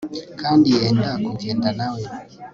kandi yenda kugenda nawe